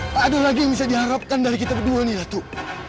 tak ada lagi yang bisa diharapkan dari kita berdua nih datuk